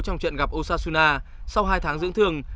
trong trận gặp osasuna sau hai tháng dưỡng thường